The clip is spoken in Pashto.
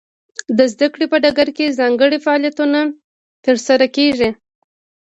د زده کړې په ډګر کې ځانګړي فعالیتونه ترسره کیږي.